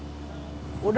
popinya sambil duduk